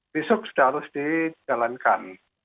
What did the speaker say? besok sudah harus dijalankan